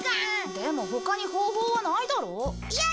でも他に方法はないだろ？